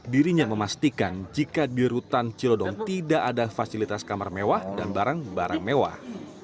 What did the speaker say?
dirinya memastikan jika di rutan cilodong tidak ada fasilitas kamar mewah dan barang barang mewah